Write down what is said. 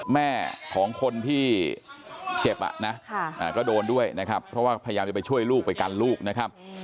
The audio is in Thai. แม่ของคนที่เจ็บอ่ะนะก็โดนด้วยนะครับเพราะว่าพยายามจะไปช่วยลูกไปกันลูกนะครับ